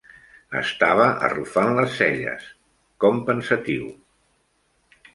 Estava arrufant les celles, com pensatiu.